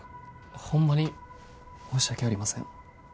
ホンマに申し訳ありません。